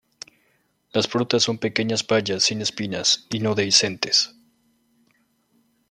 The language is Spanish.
Las frutas son pequeñas bayas sin espinas y no dehiscentes.